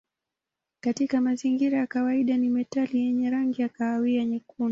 Katika mazingira ya kawaida ni metali yenye rangi ya kahawia nyekundu.